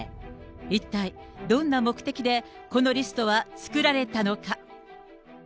一体どんな目的でこのリストは作られたのか。